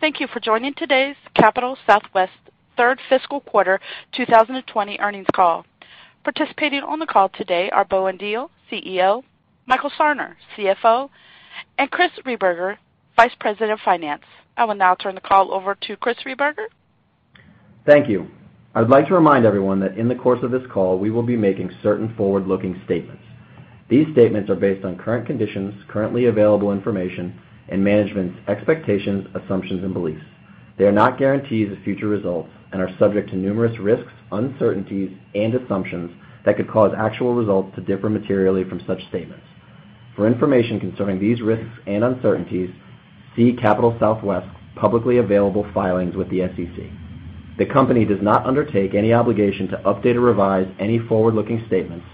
Thank you for joining today's Capital Southwest third fiscal quarter 2020 earnings call. Participating on the call today are Bowen Diehl, CEO, Michael Sarner, CFO, and Chris Rehberger, Vice President of Finance. I will now turn the call over to Chris Rehberger. Thank you. I'd like to remind everyone that in the course of this call, we will be making certain forward-looking statements. These statements are based on current conditions, currently available information, and management's expectations, assumptions, and beliefs. They are not guarantees of future results and are subject to numerous risks, uncertainties, and assumptions that could cause actual results to differ materially from such statements. For information concerning these risks and uncertainties, see Capital Southwest's publicly available filings with the SEC. The company does not undertake any obligation to update or revise any forward-looking statements,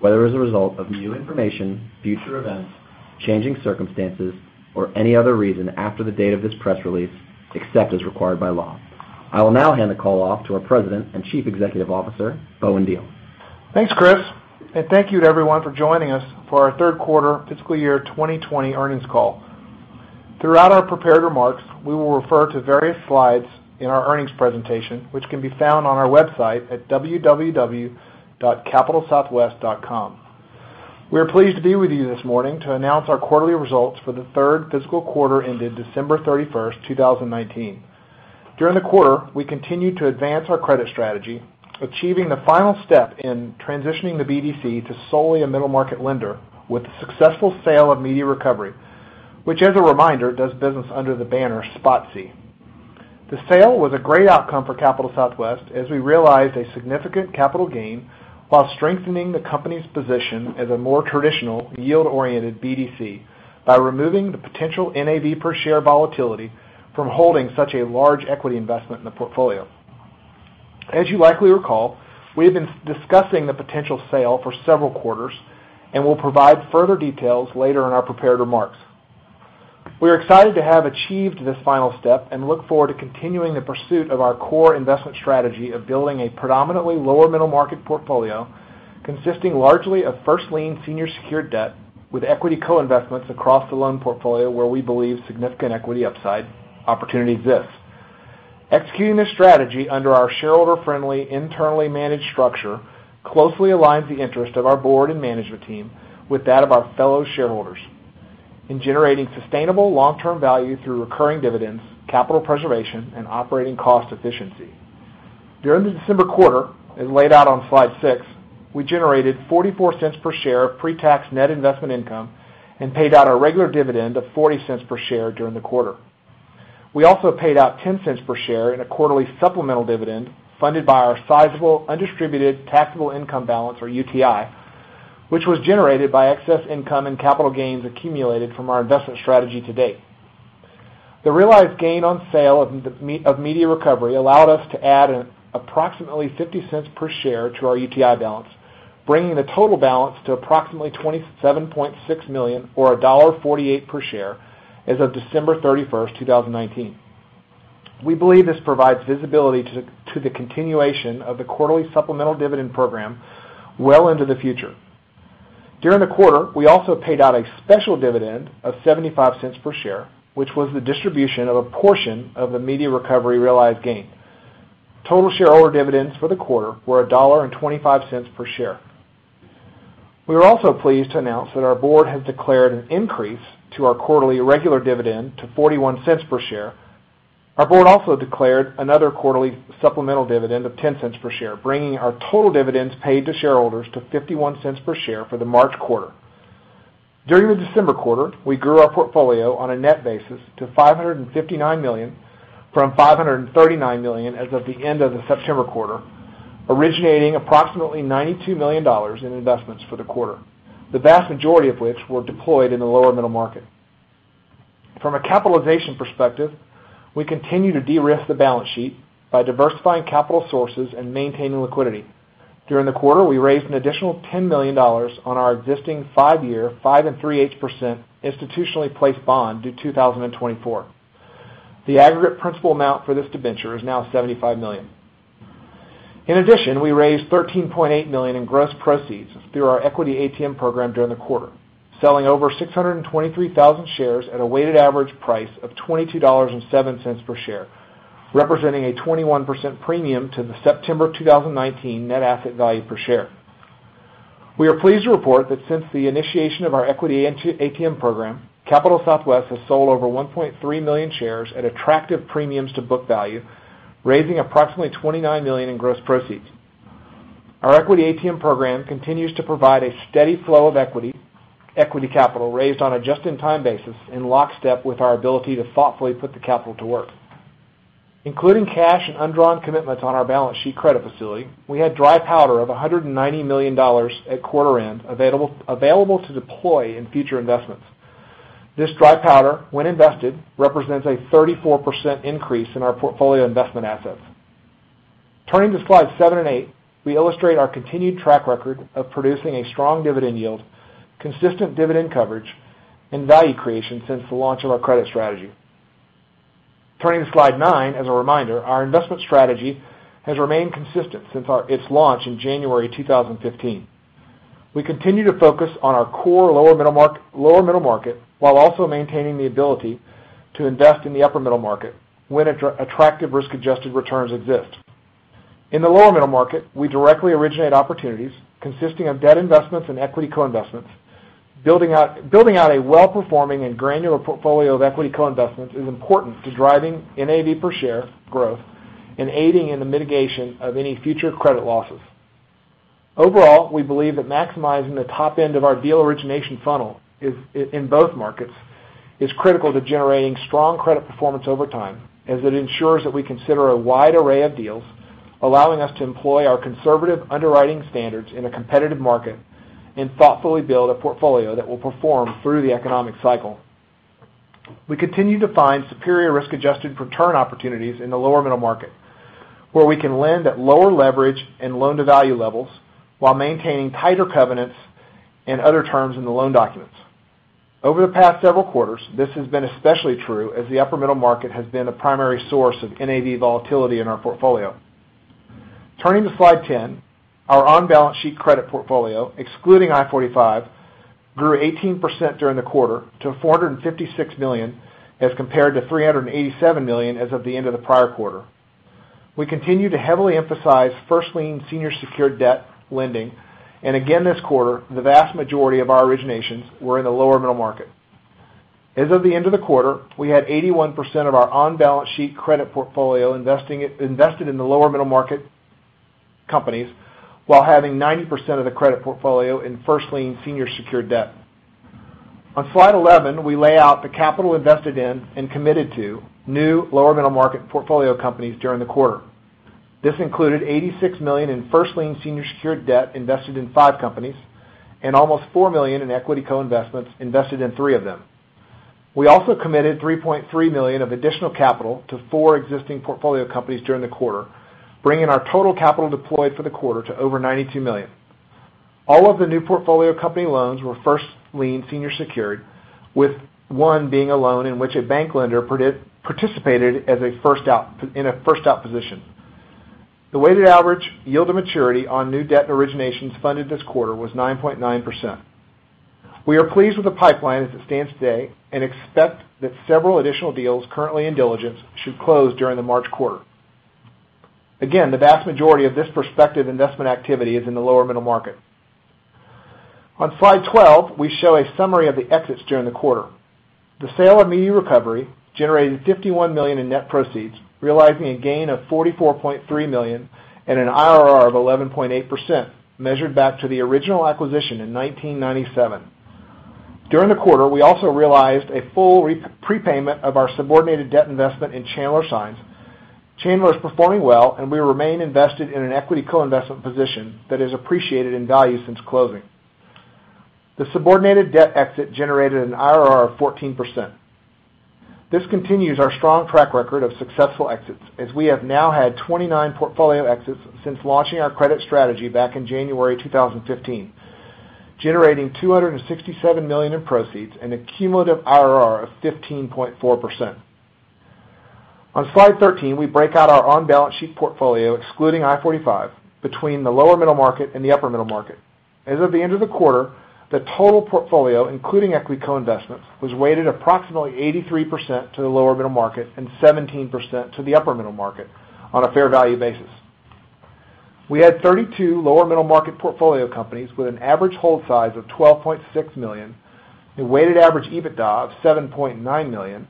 whether as a result of new information, future events, changing circumstances, or any other reason after the date of this press release, except as required by law. I will now hand the call off to our President and Chief Executive Officer, Bowen Diehl. Thanks, Chris. Thank you to everyone for joining us for our third quarter fiscal year 2020 earnings call. Throughout our prepared remarks, we will refer to various slides in our earnings presentation, which can be found on our website at www.capitalsouthwest.com. We are pleased to be with you this morning to announce our quarterly results for the third fiscal quarter ended December 31st, 2019. During the quarter, we continued to advance our credit strategy, achieving the final step in transitioning the BDC to solely a middle market lender with the successful sale of Media Recovery, which, as a reminder, does business under the banner SpotSee. The sale was a great outcome for Capital Southwest as we realized a significant capital gain while strengthening the company's position as a more traditional yield-oriented BDC by removing the potential NAV per share volatility from holding such a large equity investment in the portfolio. As you likely recall, we have been discussing the potential sale for several quarters and will provide further details later in our prepared remarks. We are excited to have achieved this final step and look forward to continuing the pursuit of our core investment strategy of building a predominantly lower middle market portfolio consisting largely of first-lien senior secured debt with equity co-investments across the loan portfolio where we believe significant equity upside opportunity exists. Executing this strategy under our shareholder-friendly, internally managed structure closely aligns the interest of our board and management team with that of our fellow shareholders in generating sustainable long-term value through recurring dividends, capital preservation, and operating cost efficiency. During the December quarter, as laid out on slide six, we generated $0.44 per share of pre-tax net investment income and paid out a regular dividend of $0.40 per share during the quarter. We also paid out $0.10 per share in a quarterly supplemental dividend funded by our sizable undistributed taxable income balance or UTI, which was generated by excess income and capital gains accumulated from our investment strategy to date. The realized gain on sale of Media Recovery allowed us to add approximately $0.50 per share to our UTI balance, bringing the total balance to approximately $27.6 million or $1.48 per share as of December 31st, 2019. We believe this provides visibility to the continuation of the quarterly supplemental dividend program well into the future. During the quarter, we also paid out a special dividend of $0.75 per share, which was the distribution of a portion of the Media Recovery realized gain. Total shareholder dividends for the quarter were $1.25 per share. We are also pleased to announce that our board has declared an increase to our quarterly regular dividend to $0.41 per share. Our board also declared another quarterly supplemental dividend of $0.10 per share, bringing our total dividends paid to shareholders to $0.51 per share for the March quarter. During the December quarter, we grew our portfolio on a net basis to $559 million from $539 million as of the end of the September quarter, originating approximately $92 million in investments for the quarter, the vast majority of which were deployed in the lower middle market. From a capitalization perspective, we continue to de-risk the balance sheet by diversifying capital sources and maintaining liquidity. During the quarter, we raised an additional $10 million on our existing five-year, 5.375% institutionally placed bond due 2024. The aggregate principal amount for this debenture is now $75 million. We raised $13.8 million in gross proceeds through our equity ATM program during the quarter, selling over 623,000 shares at a weighted average price of $22.07 per share, representing a 21% premium to the September 2019 net asset value per share. We are pleased to report that since the initiation of our equity ATM program, Capital Southwest has sold over 1.3 million shares at attractive premiums to book value, raising approximately $29 million in gross proceeds. Our equity ATM program continues to provide a steady flow of equity capital raised on a just-in-time basis in lockstep with our ability to thoughtfully put the capital to work. Including cash and undrawn commitments on our balance sheet credit facility, we had dry powder of $190 million at quarter end available to deploy in future investments. This dry powder, when invested, represents a 34% increase in our portfolio investment assets. Turning to slides seven and eight, we illustrate our continued track record of producing a strong dividend yield, consistent dividend coverage, and value creation since the launch of our credit strategy. Turning to slide nine, as a reminder, our investment strategy has remained consistent since its launch in January 2015. We continue to focus on our core lower middle market, while also maintaining the ability to invest in the upper middle market when attractive risk-adjusted returns exist. In the lower middle market, we directly originate opportunities consisting of debt investments and equity co-investments. Building out a well-performing and granular portfolio of equity co-investments is important to driving NAV per share growth and aiding in the mitigation of any future credit losses. Overall, we believe that maximizing the top end of our deal origination funnel in both markets is critical to generating strong credit performance over time, as it ensures that we consider a wide array of deals, allowing us to employ our conservative underwriting standards in a competitive market and thoughtfully build a portfolio that will perform through the economic cycle. We continue to find superior risk-adjusted return opportunities in the lower middle market, where we can lend at lower leverage and loan-to-value levels while maintaining tighter covenants and other terms in the loan documents. Over the past several quarters, this has been especially true as the upper middle market has been a primary source of NAV volatility in our portfolio. Turning to Slide 10, our on-balance-sheet credit portfolio, excluding I-45, grew 18% during the quarter to $456 million as compared to $387 million as of the end of the prior quarter. We continue to heavily emphasize first-lien senior secured debt lending, and again this quarter, the vast majority of our originations were in the lower middle market. As of the end of the quarter, we had 81% of our on-balance-sheet credit portfolio invested in the lower middle market companies, while having 90% of the credit portfolio in first-lien senior secured debt. On Slide 11, we lay out the capital invested in and committed to new lower middle market portfolio companies during the quarter. This included $86 million in first-lien senior secured debt invested in five companies and almost $4 million in equity co-investments invested in three of them. We also committed $3.3 million of additional capital to four existing portfolio companies during the quarter, bringing our total capital deployed for the quarter to over $92 million. All of the new portfolio company loans were first-lien senior secured, with one being a loan in which a bank lender participated in a first out position. The weighted average yield to maturity on new debt and originations funded this quarter was 9.9%. We are pleased with the pipeline as it stands today and expect that several additional deals currently in diligence should close during the March quarter. Again, the vast majority of this prospective investment activity is in the lower middle market. On Slide 12, we show a summary of the exits during the quarter. The sale of Media Recovery generated $51 million in net proceeds, realizing a gain of $44.3 million and an IRR of 11.8%, measured back to the original acquisition in 1997. During the quarter, we also realized a full prepayment of our subordinated debt investment in Chandler Signs. Chandler is performing well, and we remain invested in an equity co-investment position that has appreciated in value since closing. The subordinated debt exit generated an IRR of 14%. This continues our strong track record of successful exits as we have now had 29 portfolio exits since launching our credit strategy back in January 2015, generating $267 million in proceeds and a cumulative IRR of 15.4%. On Slide 13, we break out our on-balance-sheet portfolio, excluding I-45, between the lower middle market and the upper middle market. As of the end of the quarter, the total portfolio, including equity co-investments, was weighted approximately 83% to the lower middle market and 17% to the upper middle market on a fair value basis. We had 32 lower middle market portfolio companies with an average hold size of $12.6 million, a weighted average EBITDA of $7.9 million,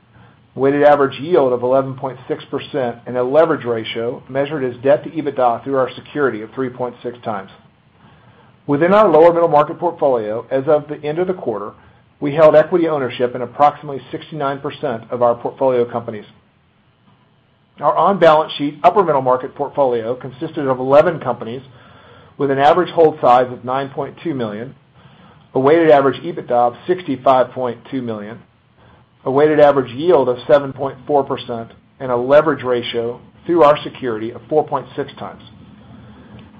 weighted average yield of 11.6%, and a leverage ratio measured as debt to EBITDA through our security of 3.6x. Within our lower middle market portfolio, as of the end of the quarter, we held equity ownership in approximately 69% of our portfolio companies. Our on-balance-sheet upper middle market portfolio consisted of 11 companies with an average hold size of $9.2 million, a weighted average EBITDA of $65.2 million, a weighted average yield of 7.4%, and a leverage ratio through our security of 4.6x.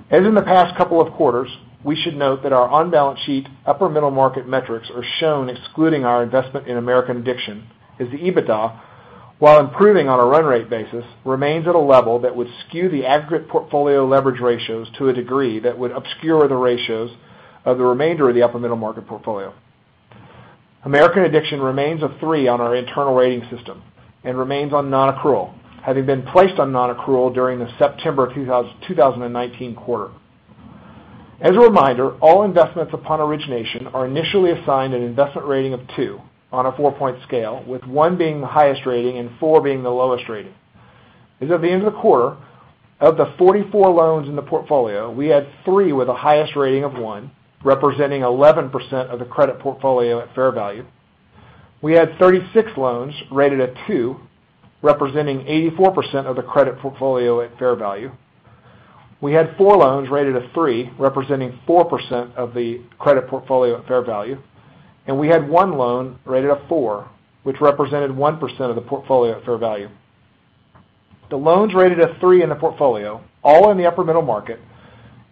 As in the past couple of quarters, we should note that our on-balance-sheet upper middle market metrics are shown excluding our investment in American Addiction, as the EBITDA, while improving on a run rate basis, remains at a level that would skew the aggregate portfolio leverage ratios to a degree that would obscure the ratios of the remainder of the upper middle market portfolio. American Addiction remains a 3 on our internal rating system and remains on non-accrual, having been placed on non-accrual during the September 2019 quarter. As a reminder, all investments upon origination are initially assigned an investment rating of 2 on a 4-point scale, with 1 being the highest rating and 4 being the lowest rating. As of the end of the quarter, of the 44 loans in the portfolio, we had three with the highest rating of 1, representing 11% of the credit portfolio at fair value. We had 36 loans rated at 2, representing 84% of the credit portfolio at fair value. We had four loans rated at 3, representing 4% of the credit portfolio at fair value, and we had one loan rated at 4, which represented 1% of the portfolio at fair value. The loans rated at 3 in the portfolio, all in the upper middle market,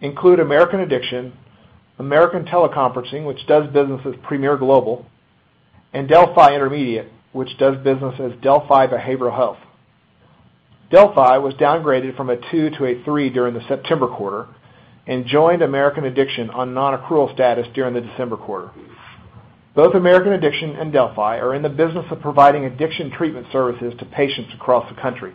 include American Addiction, American Teleconferencing, which does business as Premiere Global, and Delphi Intermediate, which does business as Delphi Behavioral Health. Delphi was downgraded from a 2 to a 3 during the September quarter and joined American Addiction on non-accrual status during the December quarter. Both American Addiction and Delphi are in the business of providing addiction treatment services to patients across the country.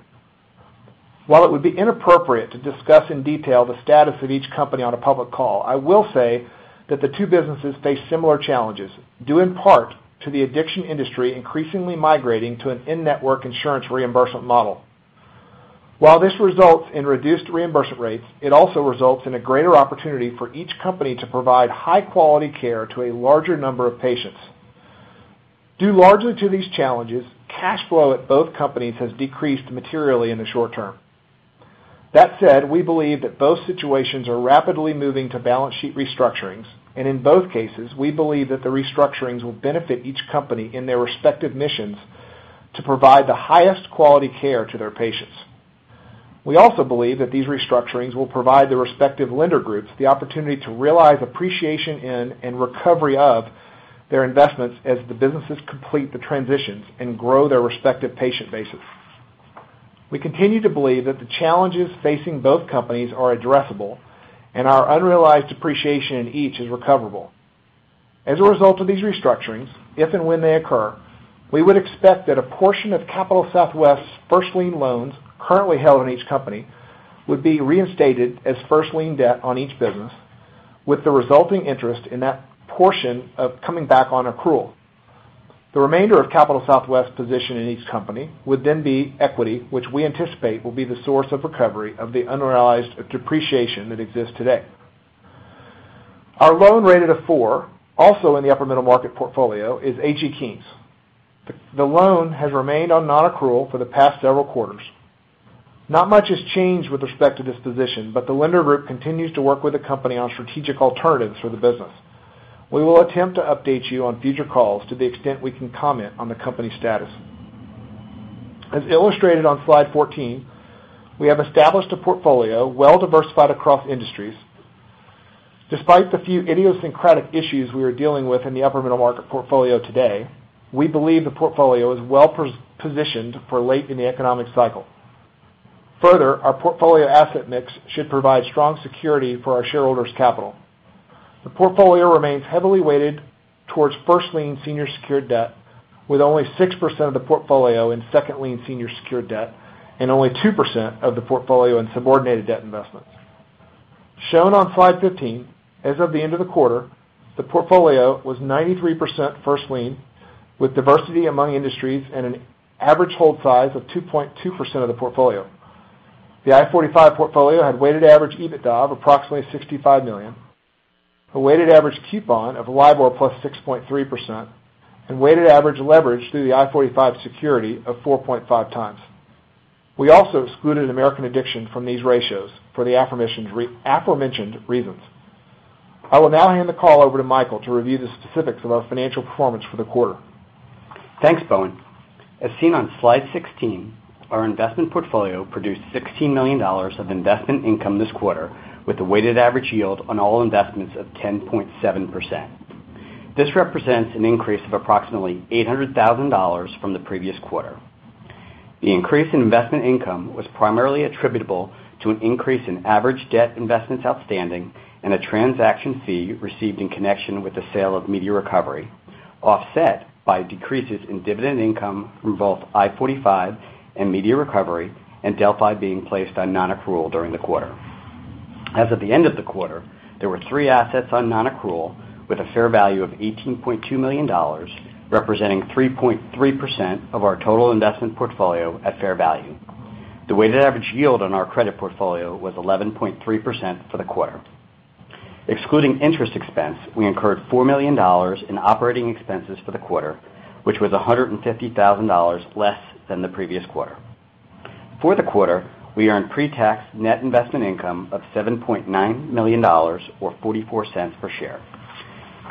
While it would be inappropriate to discuss in detail the status of each company on a public call, I will say that the two businesses face similar challenges, due in part to the addiction industry increasingly migrating to an in-network insurance reimbursement model. While this results in reduced reimbursement rates, it also results in a greater opportunity for each company to provide high-quality care to a larger number of patients. Due largely to these challenges, cash flow at both companies has decreased materially in the short term. That said, we believe that both situations are rapidly moving to balance sheet restructurings, and in both cases, we believe that the restructurings will benefit each company in their respective missions to provide the highest quality care to their patients. We also believe that these restructurings will provide the respective lender groups the opportunity to realize appreciation in and recovery of their investments as the businesses complete the transitions and grow their respective patient bases. We continue to believe that the challenges facing both companies are addressable and our unrealized appreciation in each is recoverable. As a result of these restructurings, if and when they occur, we would expect that a portion of Capital Southwest's first-lien loans currently held in each company would be reinstated as first-lien debt on each business, with the resulting interest in that portion coming back on accrual. The remainder of Capital Southwest's position in each company would then be equity, which we anticipate will be the source of recovery of the unrealized depreciation that exists today. Our loan rated a 4, also in the upper middle market portfolio, is A.G. Edwards. The loan has remained on non-accrual for the past several quarters. Not much has changed with respect to this position, the lender group continues to work with the company on strategic alternatives for the business. We will attempt to update you on future calls to the extent we can comment on the company's status. As illustrated on slide 14, we have established a portfolio well-diversified across industries. Despite the few idiosyncratic issues we are dealing with in the upper middle market portfolio today, we believe the portfolio is well-positioned for late in the economic cycle. Further, our portfolio asset mix should provide strong security for our shareholders' capital. The portfolio remains heavily weighted towards first-lien senior secured debt, with only 6% of the portfolio in second lien senior secured debt and only 2% of the portfolio in subordinated debt investments. Shown on slide 15, as of the end of the quarter, the portfolio was 93% first lien, with diversity among industries and an average hold size of 2.2% of the portfolio. The I-45 portfolio had weighted average EBITDA of approximately $65 million, a weighted average coupon of LIBOR +6.3%, and weighted average leverage through the I-45 security of 4.5x. We also excluded American Addiction from these ratios for the aforementioned reasons. I will now hand the call over to Michael to review the specifics of our financial performance for the quarter. Thanks, Bowen. As seen on slide 16, our investment portfolio produced $16 million of investment income this quarter, with a weighted average yield on all investments of 10.7%. This represents an increase of approximately $800,000 from the previous quarter. The increase in investment income was primarily attributable to an increase in average debt investments outstanding and a transaction fee received in connection with the sale of Media Recovery, offset by decreases in dividend income from both I-45 and Media Recovery, and Delphi being placed on non-accrual during the quarter. As of the end of the quarter, there were three assets on non-accrual with a fair value of $18.2 million, representing 3.3% of our total investment portfolio at fair value. The weighted average yield on our credit portfolio was 11.3% for the quarter. Excluding interest expense, we incurred $4 million in operating expenses for the quarter, which was $150,000 less than the previous quarter. For the quarter, we earned pre-tax net investment income of $7.9 million, or $0.44 per share.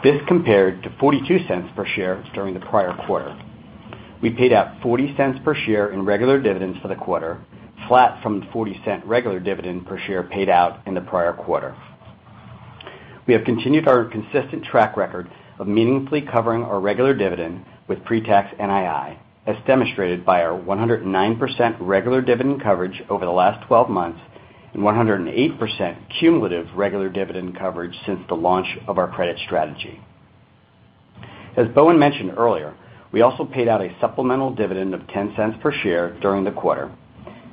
This compared to $0.42 per share during the prior quarter. We paid out $0.40 per share in regular dividends for the quarter, flat from the $0.40 regular dividend per share paid out in the prior quarter. We have continued our consistent track record of meaningfully covering our regular dividend with pre-tax NII, as demonstrated by our 109% regular dividend coverage over the last 12 months and 108% cumulative regular dividend coverage since the launch of our credit strategy. As Bowen Diehl mentioned earlier, we also paid out a supplemental dividend of $0.10 per share during the quarter.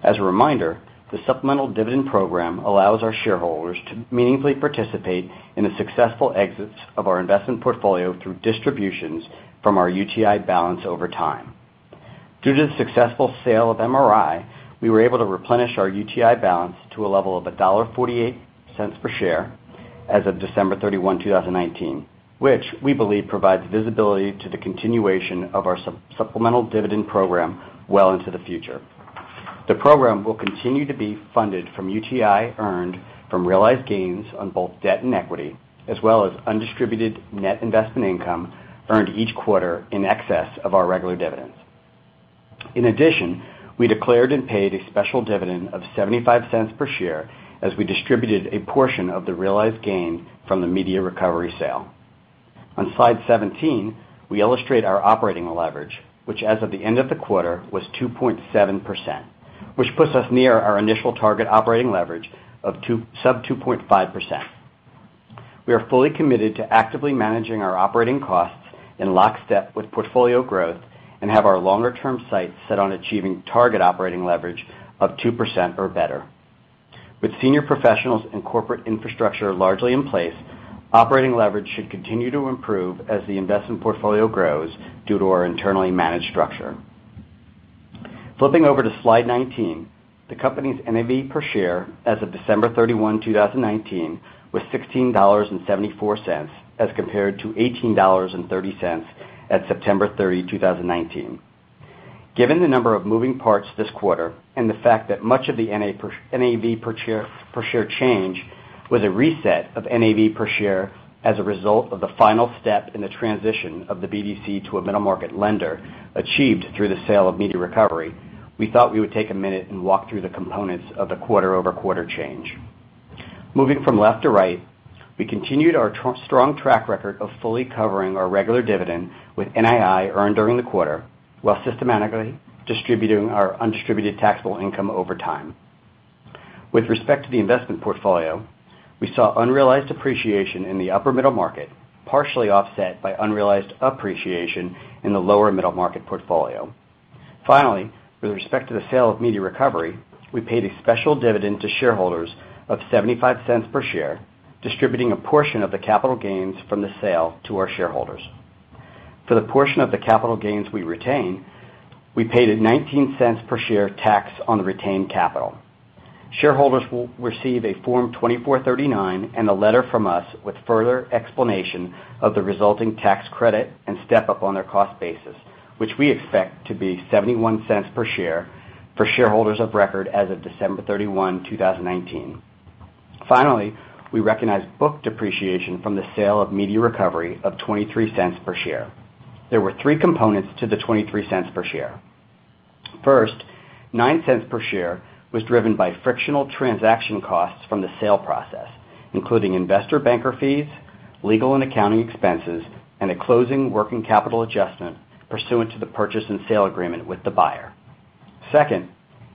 As a reminder, the supplemental dividend program allows our shareholders to meaningfully participate in the successful exits of our investment portfolio through distributions from our UTI balance over time. Due to the successful sale of MRI, we were able to replenish our UTI balance to a level of $1.48 per share as of December 31, 2019, which we believe provides visibility to the continuation of our supplemental dividend program well into the future. The program will continue to be funded from UTI earned from realized gains on both debt and equity, as well as undistributed net investment income earned each quarter in excess of our regular dividends. In addition, we declared and paid a special dividend of $0.75 per share as we distributed a portion of the realized gain from the Media Recovery sale. On Slide 17, we illustrate our operating leverage, which as of the end of the quarter, was 2.7%, which puts us near our initial target operating leverage of sub 2.5%. We are fully committed to actively managing our operating costs in lockstep with portfolio growth and have our longer-term sights set on achieving target operating leverage of 2% or better. With senior professionals and corporate infrastructure largely in place, operating leverage should continue to improve as the investment portfolio grows due to our internally managed structure. Flipping over to Slide 19, the company's NAV per share as of December 31, 2019 was $16.74 as compared to $18.30 at September 30, 2019. Given the number of moving parts this quarter and the fact that much of the NAV per share change was a reset of NAV per share as a result of the final step in the transition of the BDC to a middle market lender achieved through the sale of Media Recovery, we thought we would take a minute and walk through the components of the quarter-over-quarter change. Moving from left to right, we continued our strong track record of fully covering our regular dividend with NII earned during the quarter while systematically distributing our undistributed taxable income over time. With respect to the investment portfolio, we saw unrealized depreciation in the upper middle market, partially offset by unrealized appreciation in the lower middle market portfolio. Finally, with respect to the sale of Media Recovery, we paid a special dividend to shareholders of $0.75 per share, distributing a portion of the capital gains from the sale to our shareholders. For the portion of the capital gains we retain, we paid a $0.19 per share tax on the retained capital. Shareholders will receive a Form 2439 and a letter from us with further explanation of the resulting tax credit and step-up on their cost basis, which we expect to be $0.71 per share for shareholders of record as of December 31, 2019. Finally, we recognized book depreciation from the sale of Media Recovery of $0.23 per share. There were three components to the $0.23 per share. First, $0.09 per share was driven by frictional transaction costs from the sale process, including investor banker fees, legal and accounting expenses, and a closing working capital adjustment pursuant to the purchase and sale agreement with the buyer. Second,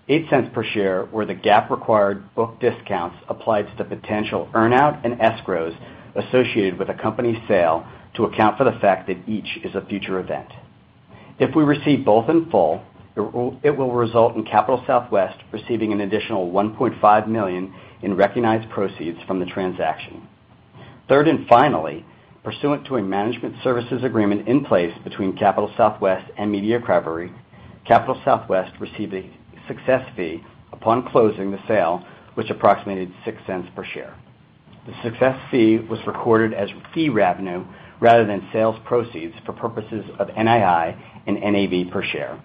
$0.08 per share were the GAAP-required book discounts applied to the potential earn-out and escrows associated with a company sale to account for the fact that each is a future event. If we receive both in full, it will result in Capital Southwest receiving an additional $1.5 million in recognized proceeds from the transaction. Third and finally, pursuant to a management services agreement in place between Capital Southwest and Media Recovery, Capital Southwest received a success fee upon closing the sale, which approximated $0.06 per share. The success fee was recorded as fee revenue rather than sales proceeds for purposes of NII and NAV per share.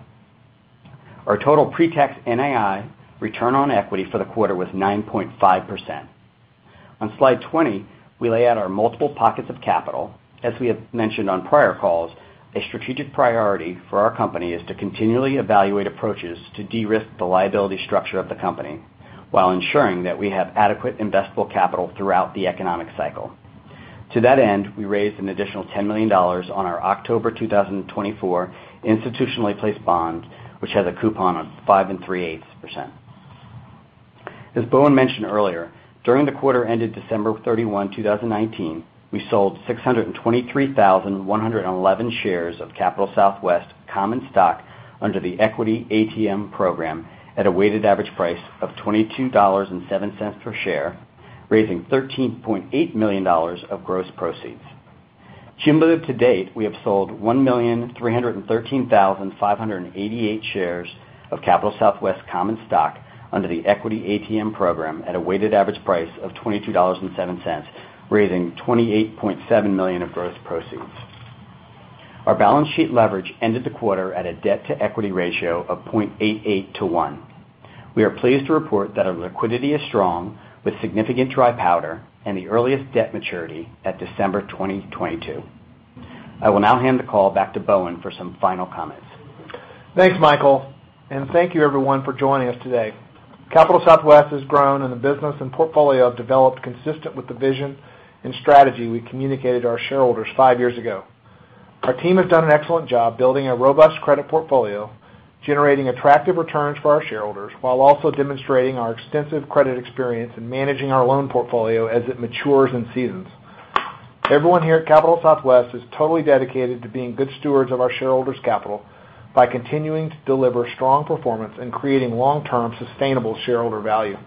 Our total pre-tax NII return on equity for the quarter was 9.5%. On Slide 20, we lay out our multiple pockets of capital. As we have mentioned on prior calls, a strategic priority for our company is to continually evaluate approaches to de-risk the liability structure of the company while ensuring that we have adequate investable capital throughout the economic cycle. To that end, we raised an additional $10 million on our October 2024 institutionally placed bond, which has a coupon of 5.375%. As Bowen mentioned earlier, during the quarter ended December 31, 2019, we sold 623,111 shares of Capital Southwest common stock under the equity ATM program at a weighted average price of $22.07 per share, raising $13.8 million of gross proceeds. Cumulatively to date, we have sold 1,313,588 shares of Capital Southwest common stock under the equity ATM program at a weighted average price of $22.07, raising $28.7 million of gross proceeds. Our balance sheet leverage ended the quarter at a debt-to-equity ratio of 0.88:1. We are pleased to report that our liquidity is strong, with significant dry powder and the earliest debt maturity at December 2022. I will now hand the call back to Bowen for some final comments. Thanks, Michael, and thank you, everyone, for joining us today. Capital Southwest has grown, and the business and portfolio have developed consistent with the vision and strategy we communicated to our shareholders five years ago. Our team has done an excellent job building a robust credit portfolio, generating attractive returns for our shareholders, while also demonstrating our extensive credit experience in managing our loan portfolio as it matures and seasons. Everyone here at Capital Southwest is totally dedicated to being good stewards of our shareholders' capital by continuing to deliver strong performance and creating long-term sustainable shareholder value.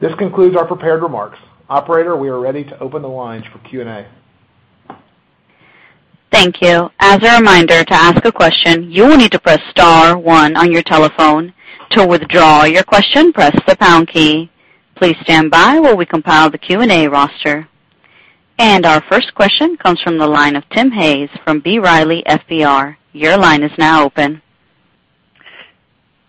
This concludes our prepared remarks. Operator, we are ready to open the lines for Q&A. Thank you. As a reminder, to ask a question, you will need to press star 1 on your telephone. To withdraw your question, press the pound key. Please stand by while we compile the Q&A roster. Our first question comes from the line of Tim Hayes from B. Riley FBR. Your line is now open.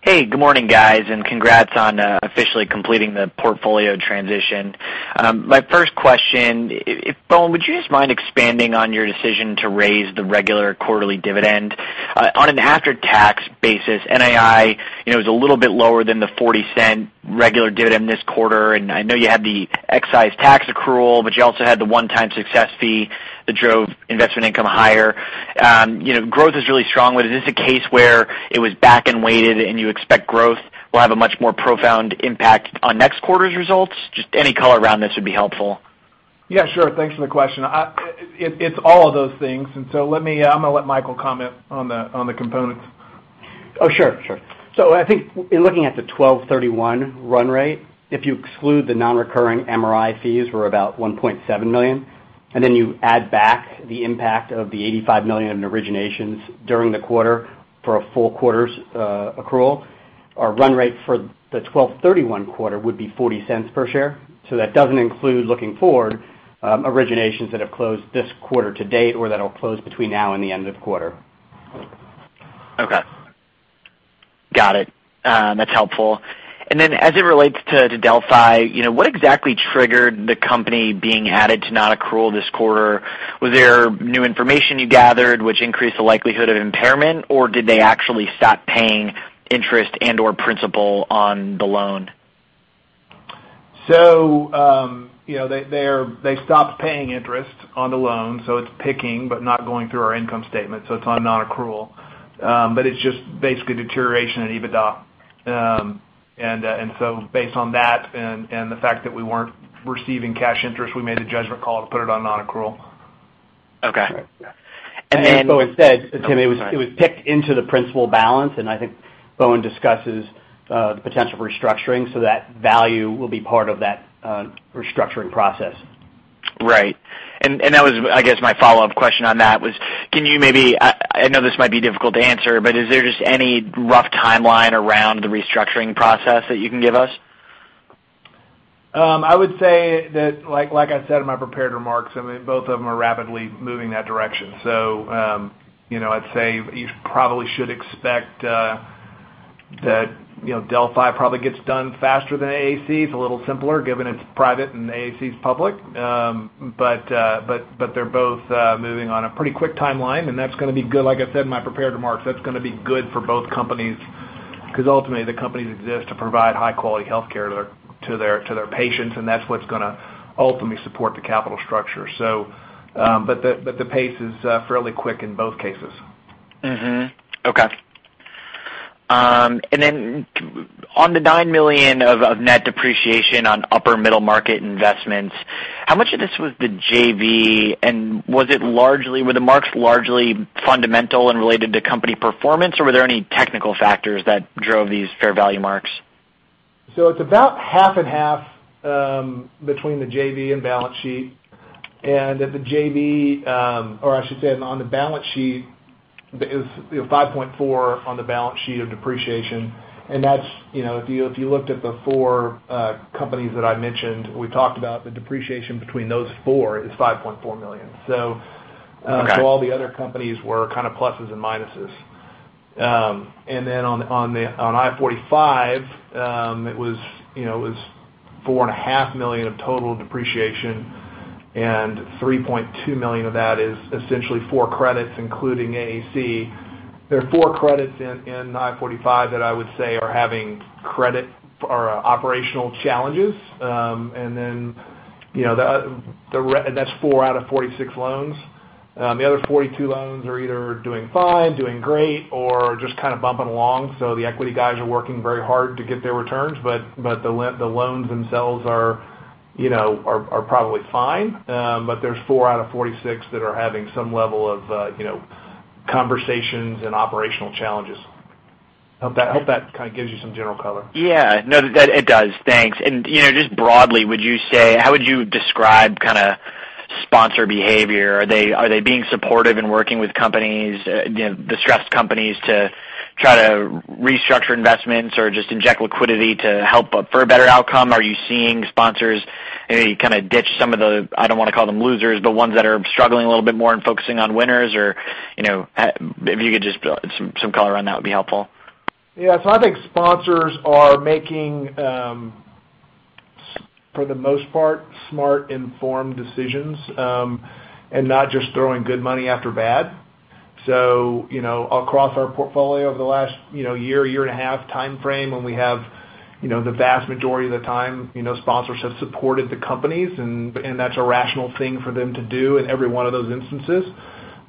Good morning, guys, congrats on officially completing the portfolio transition. My first question, Bowen, would you just mind expanding on your decision to raise the regular quarterly dividend? On an after-tax basis, NII is a little bit lower than the $0.40 regular dividend this quarter. I know you had the excise tax accrual. You also had the one-time success fee that drove investment income higher. Growth is really strong. Was this a case where it was back-end weighted and you expect growth will have a much more profound impact on next quarter's results? Just any color around this would be helpful. Yeah, sure. Thanks for the question. It's all of those things, and so I'm going to let Michael comment on the components. Oh, sure. I think in looking at the 12/31 run rate, if you exclude the non-recurring MRI fees were about $1.7 million, you add back the impact of the $85 million in originations during the quarter for a full quarter's accrual, our run rate for the 12/31 quarter would be $0.40 per share. That doesn't include, looking forward, originations that have closed this quarter to date or that'll close between now and the end of the quarter. Okay. Got it. That's helpful. As it relates to Delphi, what exactly triggered the company being added to non-accrual this quarter? Was there new information you gathered which increased the likelihood of impairment, or did they actually stop paying interest and/or principal on the loan? They stopped paying interest on the loan, so it's picking, but not going through our income statement. It's on non-accrual. It's just basically deterioration in EBITDA. Based on that and the fact that we weren't receiving cash interest, we made a judgment call to put it on non-accrual. Okay. As Bowen said, Tim, it was picked into the principal balance, and I think Bowen discusses the potential restructuring, so that value will be part of that restructuring process. Right. I guess my follow-up question on that was, I know this might be difficult to answer, but is there just any rough timeline around the restructuring process that you can give us? I would say that, like I said in my prepared remarks, both of them are rapidly moving that direction. I'd say you probably should expect that Delphi probably gets done faster than AAC. It's a little simpler given it's private and AAC's public. They're both moving on a pretty quick timeline, and that's going to be good. Like I said in my prepared remarks, that's going to be good for both companies, because ultimately, the companies exist to provide high quality healthcare to their patients, and that's what's going to ultimately support the capital structure. The pace is fairly quick in both cases. Okay. Then on the $9 million of net depreciation on upper middle market investments, how much of this was the JV, and were the marks largely fundamental and related to company performance, or were there any technical factors that drove these fair value marks? It's about half and half between the JV and balance sheet. At the JV, or I should say, on the balance sheet, is $5.4 on the balance sheet of depreciation. If you looked at the four companies that I mentioned, we talked about the depreciation between those four is $5.4 million. Okay. All the other companies were kind of pluses and minuses. On I-45, it was $4.5 million of total depreciation, and $3.2 million of that is essentially four credits, including AAC. There are four credits in I-45 that I would say are having credit or operational challenges. That's four out of 46 loans. The other 42 loans are either doing fine, doing great, or just kind of bumping along. The equity guys are working very hard to get their returns, but the loans themselves are probably fine. There's four out of 46 that are having some level of conversations and operational challenges. Hope that kind of gives you some general color. Yeah. No, it does. Thanks. Just broadly, how would you describe kind of sponsor behavior? Are they being supportive in working with companies, distressed companies to try to restructure investments or just inject liquidity to help for a better outcome? Are you seeing sponsors maybe kind of ditch some of the, I don't want to call them losers, but ones that are struggling a little bit more and focusing on winners? If you could just, some color on that would be helpful. Yeah. I think sponsors are making, for the most part, smart, informed decisions, and not just throwing good money after bad. Across our portfolio over the last year and a half timeframe when we have the vast majority of the time, sponsors have supported the companies, and that's a rational thing for them to do in every one of those instances.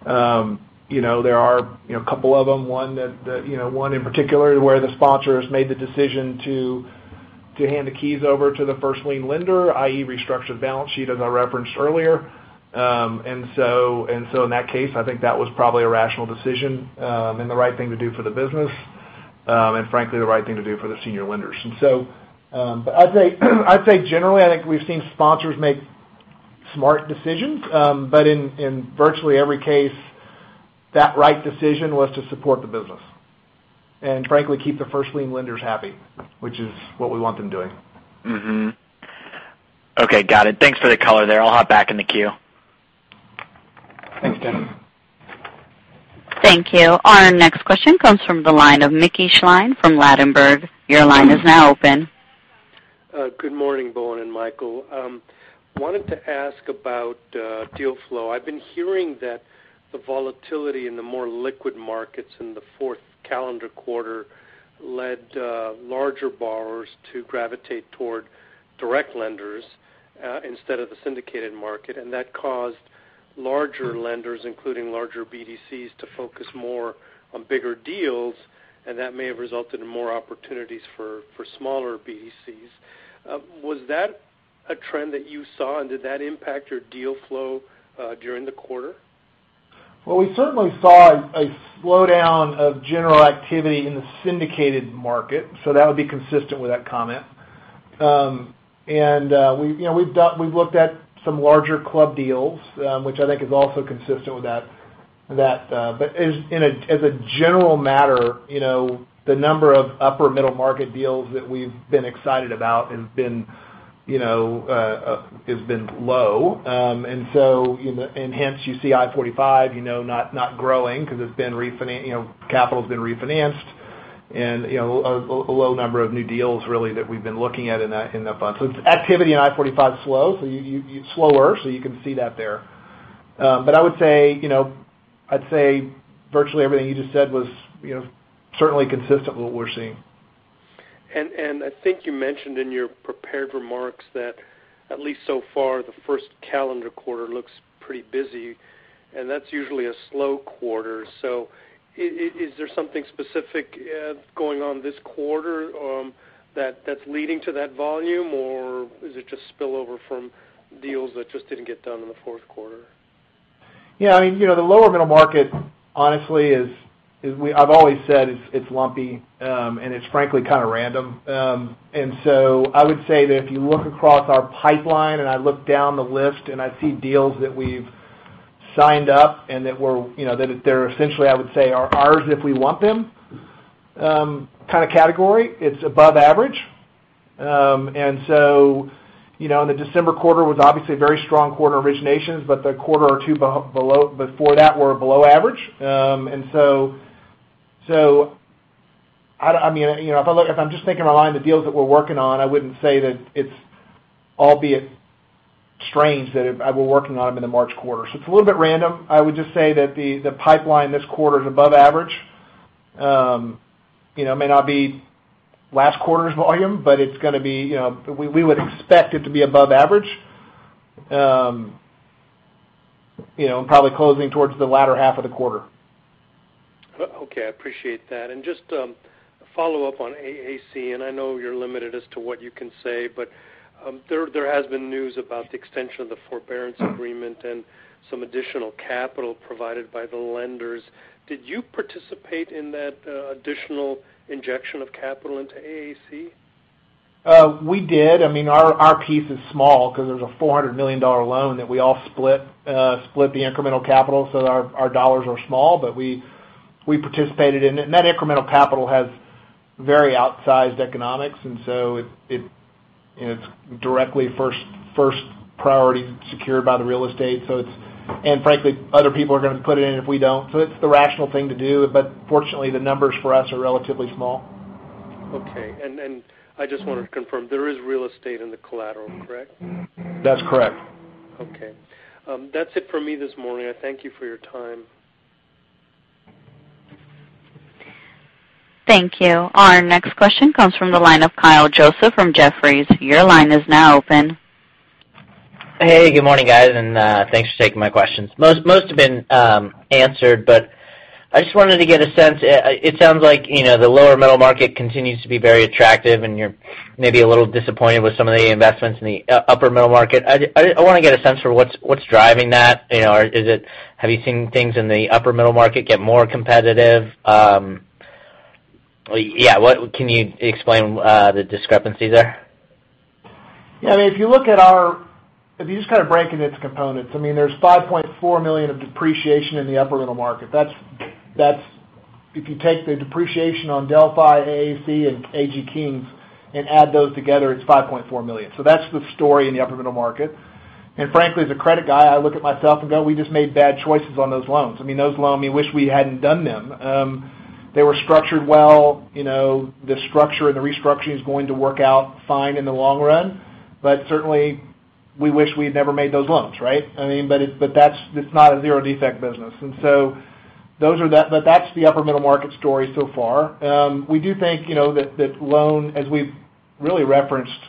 There are a couple of them, one in particular, where the sponsors made the decision to hand the keys over to the first lien lender, i.e., restructured the balance sheet, as I referenced earlier. In that case, I think that was probably a rational decision, and the right thing to do for the business, and frankly, the right thing to do for the senior lenders. I'd say generally, I think we've seen sponsors make smart decisions. In virtually every case, that right decision was to support the business, and frankly, keep the first lien lenders happy, which is what we want them doing. Okay, got it. Thanks for the color there. I'll hop back in the queue. Thank you. Thank you. Our next question comes from the line of Mickey Schleien from Ladenburg. Your line is now open. Good morning, Bowen and Michael. Wanted to ask about deal flow. I've been hearing that the volatility in the more liquid markets in the fourth calendar quarter led larger borrowers to gravitate toward direct lenders, instead of the syndicated market. That caused larger lenders, including larger BDCs, to focus more on bigger deals, and that may have resulted in more opportunities for smaller BDCs. Was that a trend that you saw, and did that impact your deal flow, during the quarter? Well, we certainly saw a slowdown of general activity in the syndicated market, that would be consistent with that comment. We've looked at some larger club deals, which I think is also consistent with that. As a general matter, the number of upper middle market deals that we've been excited about has been low. Hence you see I-45 not growing because capital's been refinanced and a low number of new deals really that we've been looking at in that fund. It's activity in I-45 is slow, so slower, you can see that there. I would say virtually everything you just said was certainly consistent with what we're seeing. I think you mentioned in your prepared remarks that at least so far, the first calendar quarter looks pretty busy, and that's usually a slow quarter. Is there something specific going on this quarter that's leading to that volume, or is it just spillover from deals that just didn't get done in the fourth quarter? Yeah. The lower middle market honestly I've always said it's lumpy, and it's frankly kind of random. I would say that if you look across our pipeline and I look down the list and I see deals that we've signed up and that they're essentially, I would say, are ours if we want them kind of category. It's above average. The December quarter was obviously a very strong quarter of originations, but the quarter or two before that were below average. If I'm just thinking along the deals that we're working on, I wouldn't say that it's albeit strange that we're working on them in the March quarter. It's a little bit random. I would just say that the pipeline this quarter is above average. May not be last quarter's volume, but we would expect it to be above average, probably closing towards the latter half of the quarter. Okay, I appreciate that. Just a follow-up on AAC, I know you're limited as to what you can say. There has been news about the extension of the forbearance agreement and some additional capital provided by the lenders. Did you participate in that additional injection of capital into AAC? We did. Our piece is small because there's a $400 million loan that we all split the incremental capital, so our dollars are small, but we participated in it. That incremental capital has very outsized economics, and so it's directly first priority secured by the real estate. Frankly, other people are going to put it in if we don't. It's the rational thing to do. Fortunately, the numbers for us are relatively small. Okay. I just wanted to confirm, there is real estate in the collateral, correct? That's correct. Okay. That's it for me this morning. I thank you for your time. Thank you. Our next question comes from the line of Kyle Joseph from Jefferies. Your line is now open. Hey, good morning, guys. Thanks for taking my questions. Most have been answered. I just wanted to get a sense. It sounds like the lower middle market continues to be very attractive, and you're maybe a little disappointed with some of the investments in the upper middle market. I want to get a sense for what's driving that. Have you seen things in the upper middle market get more competitive? Can you explain the discrepancy there? If you just kind of break it into its components, there's $5.4 million of depreciation in the upper middle market. If you take the depreciation on Delphi, AAC, and AG Kings and add those together, it's $5.4 million. That's the story in the upper middle market. Frankly, as a credit guy, I look at myself and go, we just made bad choices on those loans. Those loans, we wish we hadn't done them. They were structured well. The structure and the restructuring is going to work out fine in the long run. Certainly we wish we'd never made those loans, right? It's not a zero defect business. That's the upper middle market story so far. We do think that loan, as we've really referenced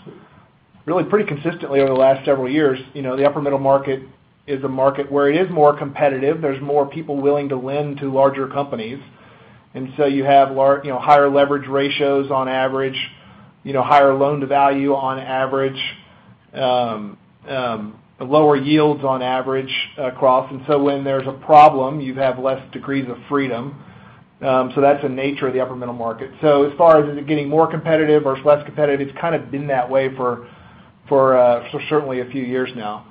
really pretty consistently over the last several years, the upper middle market is a market where it is more competitive. There's more people willing to lend to larger companies. You have higher leverage ratios on average, higher loan-to-value on average, lower yields on average across. When there's a problem, you have less degrees of freedom. That's the nature of the upper middle market. As far as is it getting more competitive or less competitive, it's kind of been that way for certainly a few years now.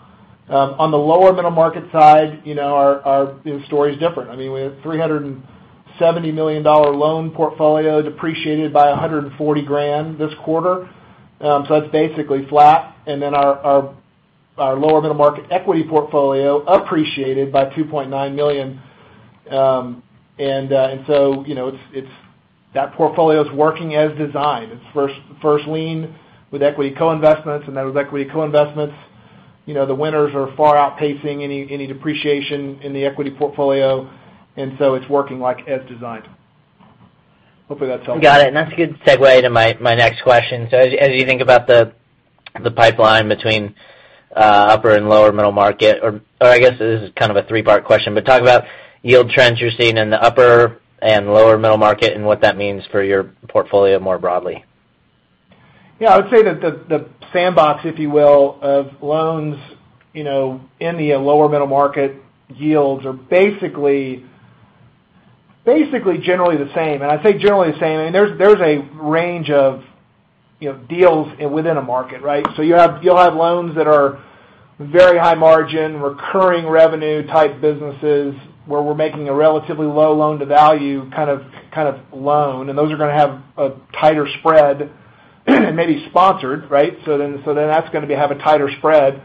On the lower middle market side, our story is different. We have a $370 million loan portfolio depreciated by $140,000 this quarter. That's basically flat. Our lower middle market equity portfolio appreciated by $2.9 million. That portfolio is working as designed. It's first lien with equity co-investments, those equity co-investments, the winners are far outpacing any depreciation in the equity portfolio. It's working like as designed. Hopefully that's helpful. Got it. That's a good segue to my next question. As you think about the pipeline between upper and lower middle market, or I guess this is kind of a three-part question, but talk about yield trends you're seeing in the upper and lower middle market, and what that means for your portfolio more broadly. Yeah, I would say that the sandbox, if you will, of loans in the lower middle market yields are basically generally the same. I say generally the same, there's a range of deals within a market, right? You'll have loans that are very high margin, recurring revenue type businesses, where we're making a relatively low loan-to-value kind of loan, and those are going to have a tighter spread and may be sponsored, right? That's going to have a tighter spread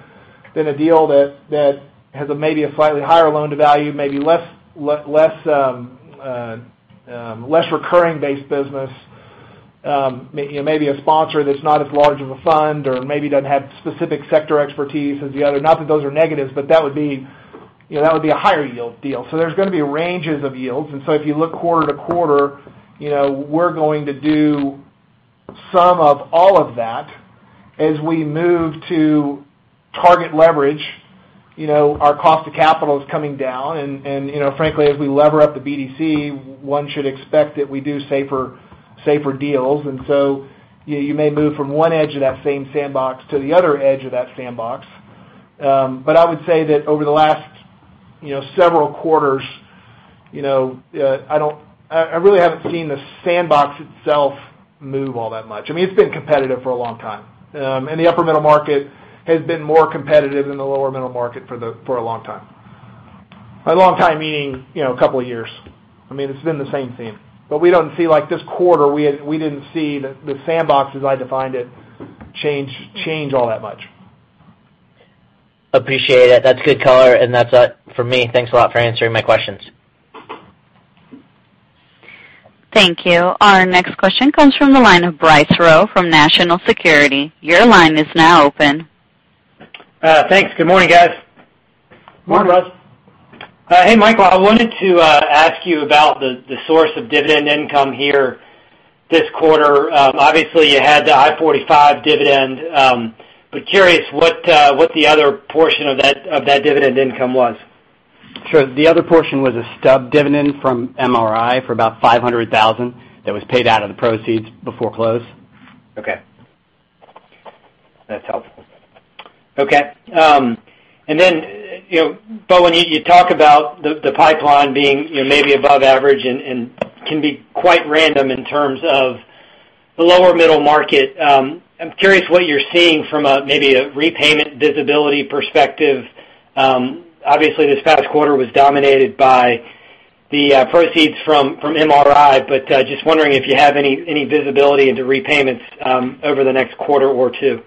than a deal that has maybe a slightly higher loan-to-value, maybe less recurring-based business. Maybe a sponsor that's not as large of a fund or maybe doesn't have specific sector expertise as the other. Not that those are negatives, but that would be a higher yield deal. There's going to be ranges of yields. If you look quarter to quarter, we're going to do some of all of that as we move to target leverage. Our cost to capital is coming down, and frankly, as we lever up the BDC, one should expect that we do safer deals. You may move from one edge of that same sandbox to the other edge of that sandbox. I would say that over the last several quarters, I really haven't seen the sandbox itself move all that much. It's been competitive for a long time. The upper middle market has been more competitive than the lower middle market for a long time. By a long time, meaning a couple of years. It's been the same thing. We don't see, like this quarter, we didn't see the sandbox, as I defined it, change all that much. Appreciate it. That's good color, and that's it for me. Thanks a lot for answering my questions. Thank you. Our next question comes from the line of Bryce Rowe from National Securities. Your line is now open. Thanks. Good morning, guys. Morning. Morning, Bryce. Hey, Michael, I wanted to ask you about the source of dividend income here this quarter. Obviously, you had the I-45 dividend. Curious what the other portion of that dividend income was. Sure. The other portion was a stub dividend from MRI for about $500,000 that was paid out of the proceeds before close. Okay. That's helpful. Okay. Then, Bowen, you talk about the pipeline being maybe above average and can be quite random in terms of the lower middle market. I'm curious what you're seeing from maybe a repayment visibility perspective. Obviously, this past quarter was dominated by the proceeds from MRI, but just wondering if you have any visibility into repayments over the next quarter or two.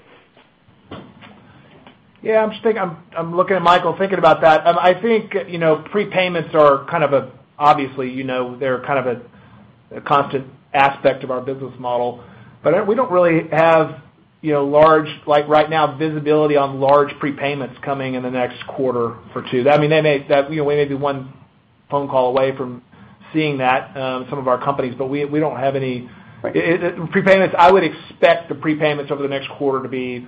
Yeah, I'm just thinking. I'm looking at Michael thinking about that. I think prepayments are obviously, they're kind of a constant aspect of our business model. We don't really have large, right now, visibility on large prepayments coming in the next quarter for two. We may be one phone call away from seeing that, some of our companies, but we don't have any. Right. Prepayments, I would expect the prepayments over the next quarter to be,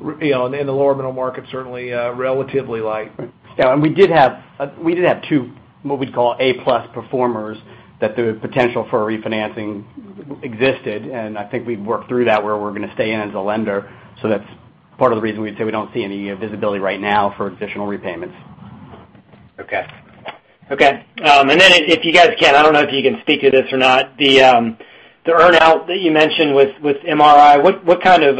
in the lower middle market, certainly relatively light. Right. Yeah, we did have two, what we'd call A-plus performers that the potential for refinancing existed, and I think we've worked through that where we're going to stay in as a lender. That's part of the reason we'd say we don't see any visibility right now for additional repayments. Okay. If you guys can, I don't know if you can speak to this or not, the earn-out that you mentioned with MRI, what kind of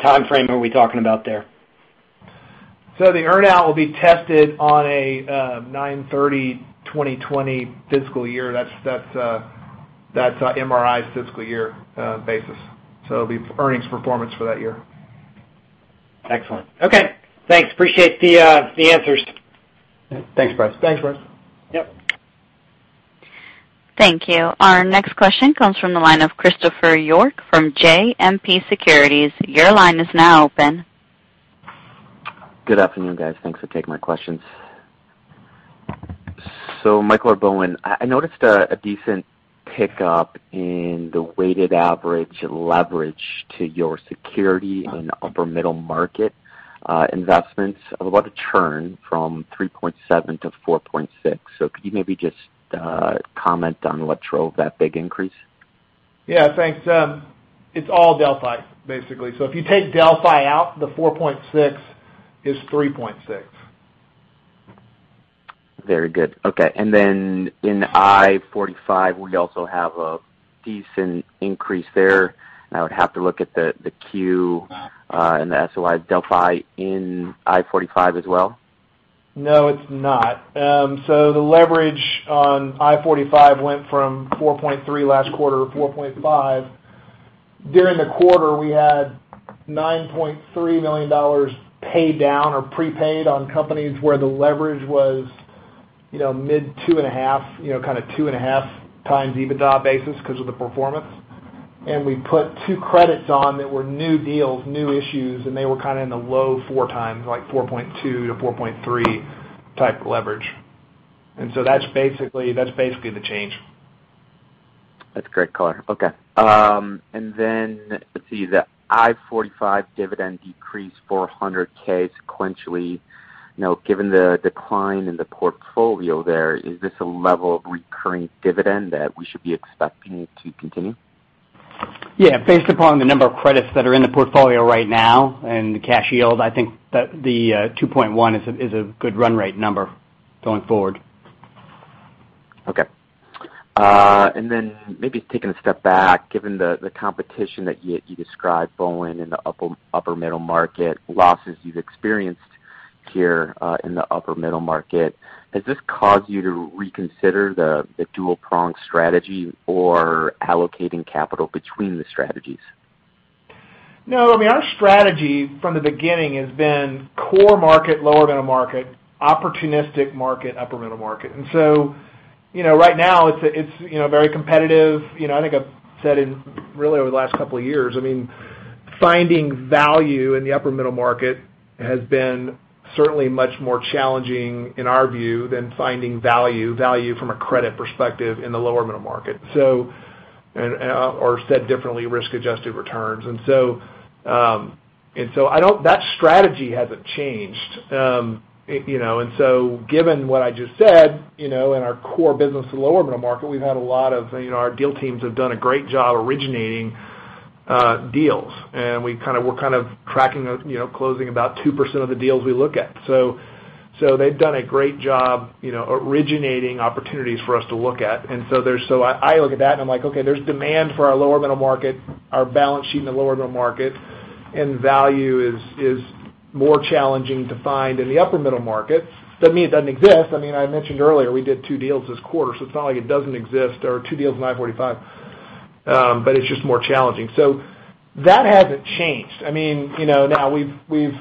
timeframe are we talking about there? The earn-out will be tested on a 9/30/2020 fiscal year. That's MRI's fiscal year basis. It'll be earnings performance for that year. Excellent. Okay. Thanks. Appreciate the answers. Thanks, Bryce. Thanks, Bryce. Yep. Thank you. Our next question comes from the line of Christopher York from JMP Securities. Your line is now open. Good afternoon, guys. Thanks for taking my questions. Michael or Bowen, I noticed a decent pickup in the weighted average leverage to your security in upper middle market investments of about a jump from 3.7 to 4.6. Could you maybe just comment on what drove that big increase? Yeah, thanks. It's all Delphi, basically. If you take Delphi out, the $4.6 is $3.6. Very good. Okay. In I-45, we also have a decent increase there. I would have to look at the Q and the SOI Delphi in I-45 as well? No, it's not. The leverage on I-45 went from 4.3 last quarter to 4.5. During the quarter, we had $9.3 million paid down or prepaid on companies where the leverage was mid 2.5x EBITDA basis because of the performance. We put two credits on that were new deals, new issues, and they were in the low 4x, like 4.2x-4.3x type leverage. That's basically the change. That's a great color. Okay. Let's see, the I-45 dividend decreased $400K sequentially. Given the decline in the portfolio there, is this a level of recurring dividend that we should be expecting to continue? Yeah. Based upon the number of credits that are in the portfolio right now and the cash yield, I think that the $2.1 is a good run rate number going forward. Okay. Maybe taking a step back, given the competition that you described, Bowen, in the upper middle market, losses you've experienced here in the upper middle market, has this caused you to reconsider the dual prong strategy or allocating capital between the strategies? No. Our strategy from the beginning has been core market, lower middle market, opportunistic market, upper middle market. Right now it's very competitive. I think I've said really over the last couple of years, finding value in the upper middle market has been certainly much more challenging in our view than finding value from a credit perspective in the lower middle market. Or said differently, risk-adjusted returns. That strategy hasn't changed. Given what I just said, in our core business in the lower middle market, our deal teams have done a great job originating deals, and we're kind of closing about 2% of the deals we look at. So they've done a great job originating opportunities for us to look at. I look at that and I'm like, okay, there's demand for our lower middle market, our balance sheet in the lower middle market, and value is more challenging to find in the upper middle market. Doesn't mean it doesn't exist. I mentioned earlier we did two deals this quarter, so it's not like it doesn't exist or two deals in I-45. It's just more challenging. That hasn't changed. Now we've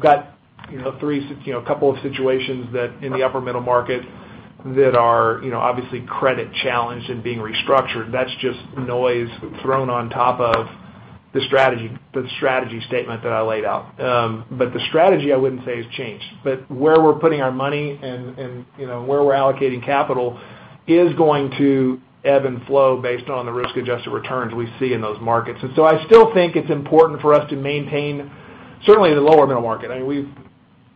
got a couple of situations in the upper middle market that are obviously credit-challenged and being restructured. That's just noise thrown on top of the strategy statement that I laid out. The strategy I wouldn't say has changed. Where we're putting our money and where we're allocating capital is going to ebb and flow based on the risk-adjusted returns we see in those markets. I still think it's important for us to maintain, certainly in the lower middle market.